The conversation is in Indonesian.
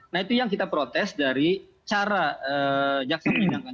nah itu yang kita protes dari cara jaksa penindakan